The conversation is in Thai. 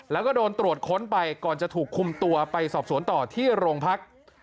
แล้วก็โดนตรวจค้นไปก่อนจะถูกคุมตัวไปสอบสวนต่อที่โรงพัก